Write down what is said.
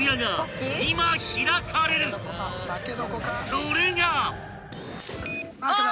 ［それが］